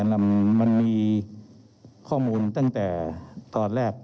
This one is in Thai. เรามีการปิดบันทึกจับกลุ่มเขาหรือหลังเกิดเหตุแล้วเนี่ย